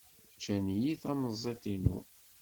Ččan-iyi tamẓidt-inu.